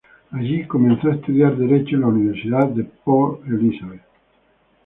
Allí comenzó a estudiar Derecho en la Universidad de Port Elizabeth.